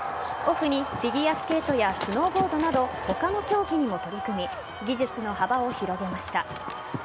オフにフィギュアスケートやスノーボードなど他の競技にも取り組み技術の幅を広げました。